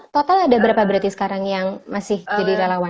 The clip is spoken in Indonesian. total ada berapa berarti sekarang yang masih jadi relawan